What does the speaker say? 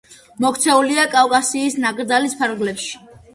მოქცეულია კავკასიის ნაკრძალის ფარგლებში.